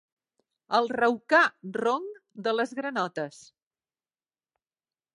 El raucar ronc de les granotes.